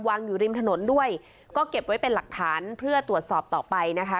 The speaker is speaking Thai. อยู่ริมถนนด้วยก็เก็บไว้เป็นหลักฐานเพื่อตรวจสอบต่อไปนะคะ